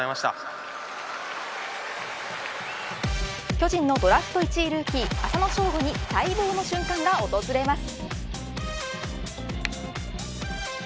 巨人のドラフト１位ルーキー浅野翔吾に待望の瞬間が訪れます。